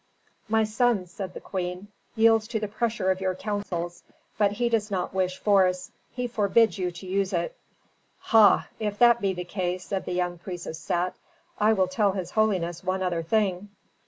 "My son," said the queen, "yields to the pressure of your counsels. But he does not wish force; he forbids you to use it." "Ha! if that be the case," said the young priest of Set, "I will tell his holiness one other thing."